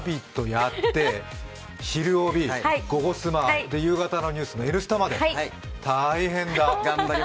やって「ひるおび」、「ゴゴスマ」、夕方のニュースの「Ｎスタ」まで大変だ。